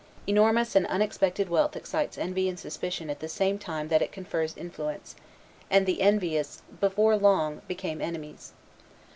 Enormous and unexpected wealth excites envy and suspicion at the same time that it confers influence; and the envious before long become enemies.